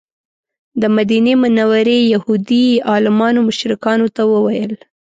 د مدینې منورې یهودي عالمانو مشرکانو ته وویل.